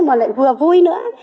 mà lại vừa vui nữa